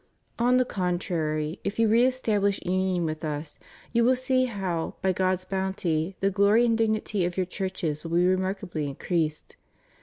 On the contrary, if you re establish union vnth Us, you will see how, by God's bounty, the glory and dignity of your churches will be remarkably increased.